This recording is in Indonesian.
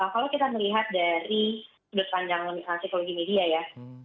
kalau kita melihat dari sudut pandang psikologi media ya